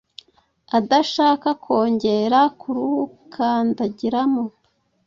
adashaka kongera kurukandagiramo